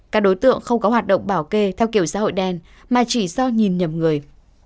các đối tượng không có hoạt động bảo kê theo kiểu xã hội đen mà chỉ do nhìn nhầm người